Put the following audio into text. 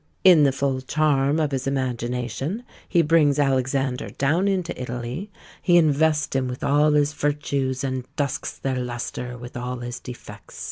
In the full charm of his imagination he brings Alexander down into Italy, he invests him with all his virtues, and "dusks their lustre" with all his defects.